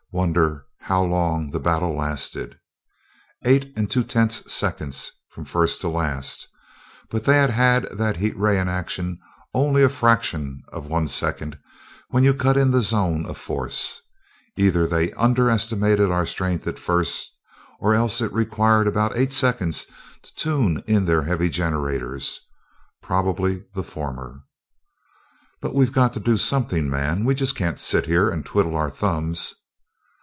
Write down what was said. "Wonder how long the battle lasted?" "Eight and two tenths seconds, from first to last, but they had had that heavy ray in action only a fraction of one second when you cut in the zone of force. Either they underestimated our strength at first, or else it required about eight seconds to tune in their heavy generators probably the former." "But we've got to do something, man! We can't just sit here and twiddle our thumbs!"